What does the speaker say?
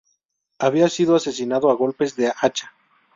Había sido asesinado a golpes de hacha.